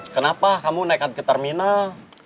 kenapa kamu naik ke terminal